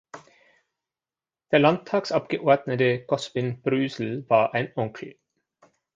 Der Landtagsabgeordnete Goswin Brösel war ein Onkel.